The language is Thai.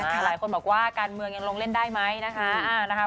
หลายคนบอกว่าการเมืองยังลงเล่นได้ไหมนะคะ